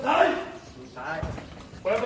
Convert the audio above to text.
ตำรวจแห่งมือ